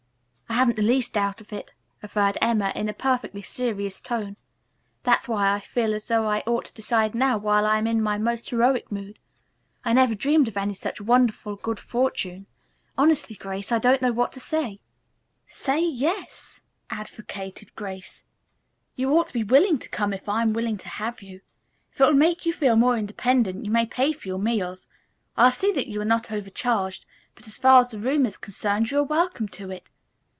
"I haven't the least doubt of it," averred Emma in a perfectly serious tone. "That's why I feel as though I ought to decide now while I am in my most heroic mood. I never dreamed of any such wonderful good fortune. Honestly, Grace, I don't know what to say." "Say 'yes,'" advocated Grace. "You ought to be willing to come if I am willing to have you. If it will make you feel more independent, you may pay for your meals. I'll see that you are not overcharged, but as far as the room is concerned you are welcome to it.